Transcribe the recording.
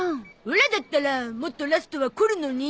オラだったらもっとラストは凝るのに。